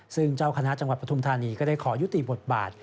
ซึ่งเจ้าคณะจังหวัดปฐุมธานีก็ได้ขอยุติบทบาท